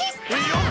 「よっ！